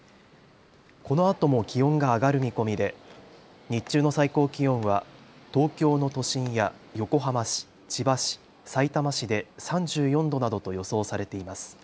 このあとも気温が上がる見込みで日中の最高気温は東京の都心や横浜市、千葉市、さいたま市で３４度などと予想されています。